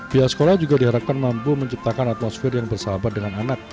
pihak sekolah juga diharapkan mampu menciptakan atmosfer yang bersahabat dengan anak